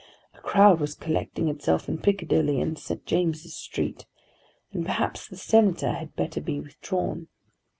A crowd was collecting itself in Piccadilly and St. James's Street, and perhaps the Senator had better be withdrawn.